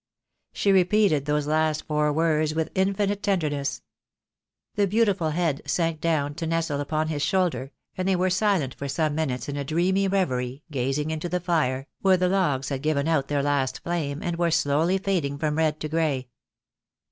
She repeated those last four words with infinite tender ness. The beautiful head sank down to nestle upon his shoulder, and they were silent for some minutes in a dreamy reverie, gazing into the fire, where the logs had given out their last flame, and were slowly fading from red to grey.